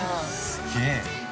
◆すげえ。